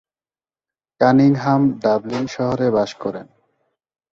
Cunningham Dublin শহরে বাস করেন।